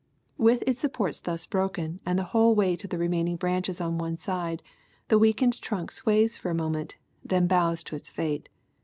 With its supports thus broken and the whole weight of the remaining branches on one side, the weakened trunk sways fof a moment then bows to its fate.